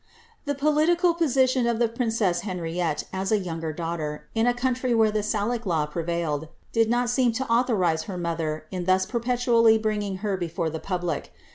The political position of the princess Henriette, as a younger daughter, in a country where the salique law prevailed, did not seem to authorize her mother in thus perpetually bringing her before the public.